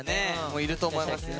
もういると思いますよ。